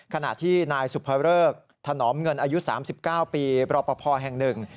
ขณะที่นายสุภเริกถนอมเงินอายุ๓๙ปีรอปภแห่งหนึ่ง